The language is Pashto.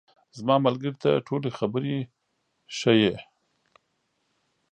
زما ملګري ته ټولې خبرې ښیې.